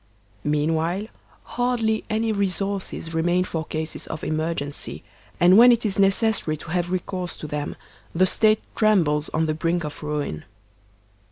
Meanwhile, hardly any resources remain for cases of emergency; and when it is necessary to have recourse to them the State trembles on the brink of ruin.